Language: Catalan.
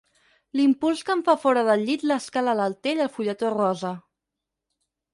L'impuls que em fa fora del llit l'escala l'altell el fulletó rosa.